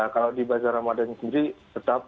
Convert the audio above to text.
kalau di bazar ramadhan ini tetap